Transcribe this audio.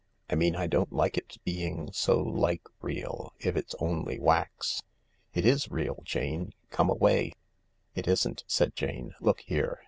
I mean I don't like its being so like real if it's only wax. It is real, Jane— come away !"" It isn't," said Jane, " look here